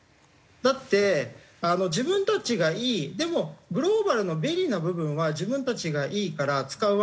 だって自分たちがいいでもグローバルの便利な部分は自分たちがいいから使うわけでしょ。